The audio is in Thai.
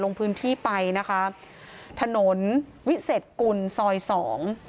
ลงพื้นที่ไปนะคะถนนวิเศษกุลซอยสอง